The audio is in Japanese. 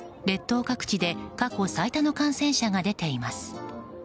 列島各地で過去最多の感染者が出ています。